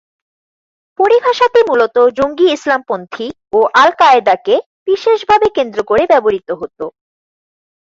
পরিভাষাটি মূলত জঙ্গি ইসলামপন্থী ও আল-কায়েদাকে বিশেষভাবে কেন্দ্র করে ব্যবহৃত হত।